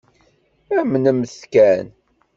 Amnemt-t kan.